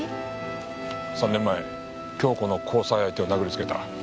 ３年前京子の交際相手を殴りつけた。